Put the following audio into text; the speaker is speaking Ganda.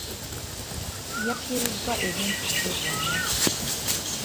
Yafiiriddwa ebintu bye byonna.